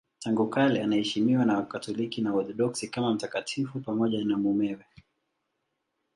Tangu kale anaheshimiwa na Wakatoliki na Waorthodoksi kama mtakatifu pamoja na mumewe.